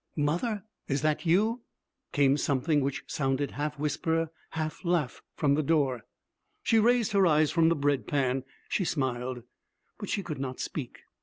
'Mother, is that you?' came something which sounded half whisper, half laugh from the door. She raised her eyes from the bread pan. She smiled. But she could not speak.